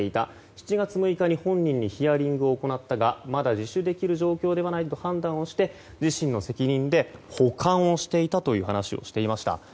７月６日に本人にヒアリングを行ったがまだ自首できる状況ではないと判断をして自身の責任で保管をしていたという話をしていました。